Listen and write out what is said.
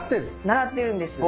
習ってるんです。